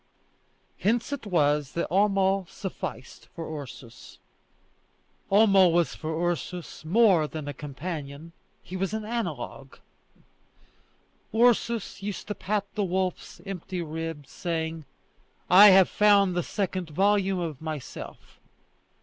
Hence it was that Homo sufficed for Ursus. Homo was for Ursus more than a companion, he was an analogue. Ursus used to pat the wolf's empty ribs, saying: "I have found the second volume of myself!"